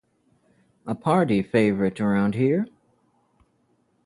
A party favorite around here.